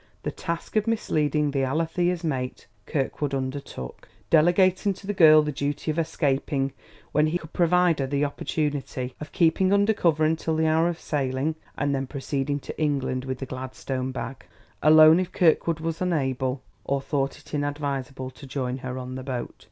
The task of misleading the Alethea's mate, Kirkwood undertook, delegating to the girl the duty of escaping when he could provide her the opportunity, of keeping under cover until the hour of sailing, and then proceeding to England, with the gladstone bag, alone if Kirkwood was unable, or thought it inadvisable, to join her on the boat.